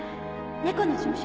猫の事務所